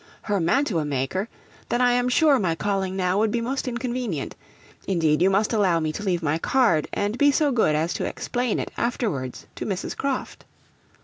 'Her mantua maker! Then I am sure my calling now would be most inconvenient. Indeed you must allow me to leave my card and be so good as to explain it afterwards to Mrs. Croft.'